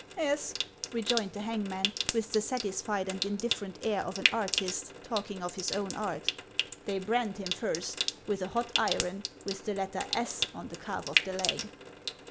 "Yes," rejoined the hangman, with the satisfied and indifferent air of an artist talking of his own art ;" they brand him first, with a hot iron, with the letter S, on the calf of the leg."